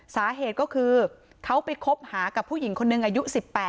สาเหตุก็คือเขาไปคบหากับผู้หญิงคนหนึ่งอายุ๑๘